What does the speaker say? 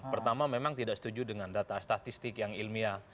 pertama memang tidak setuju dengan data statistik yang ilmiah